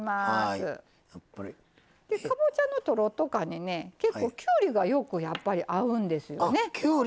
かぼちゃの、とろっと感に結構、きゅうりがよく合うんですよね。